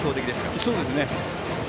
そうですね。